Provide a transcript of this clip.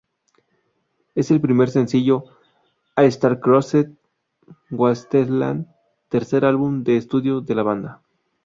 Es el primer sencillo "A Star-Crossed Wasteland", tercer álbum de estudio de la banda.